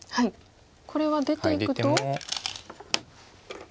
これは出ていくと。